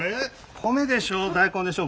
米でしょ大根でしょ